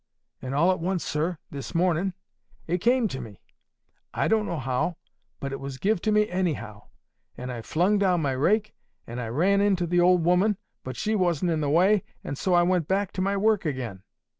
And all at once, sir, this mornin', it came to me. I don't know how, but it was give to me, anyhow. And I flung down my rake, and I ran in to the old woman, but she wasn't in the way, and so I went back to my work again.